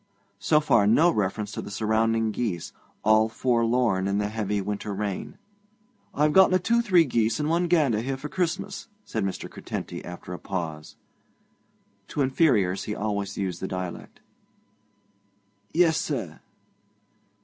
So far no reference to the surrounding geese, all forlorn in the heavy winter rain. 'I've gotten a two three geese and one gander here for Christmas,' said Mr. Curtenty after a pause. To inferiors he always used the dialect. 'Yes, sir.'